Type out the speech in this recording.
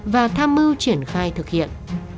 và tham mưu triển khai thực hiện